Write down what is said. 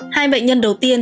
hai bệnh nhân đầu tiên